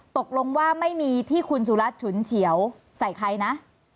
ตกลงว่าไม่มีที่คุณสุรัตน์ฉุนเฉียวใส่ใครนะ